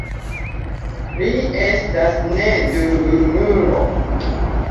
Ri estas neduumulo.